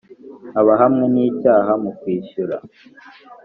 abahamwe n icyaha mu kwishyura